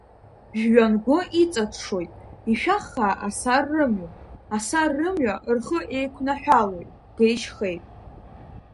Жәҩангәы иҵаҽҽоит ишәахха асар рымҩа, Асар рымҩа рхы еиқәнаҳәалоит геи-шьхеи.